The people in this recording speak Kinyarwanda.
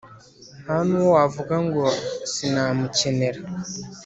nta n’uwo wavuga ngo sinamukenera.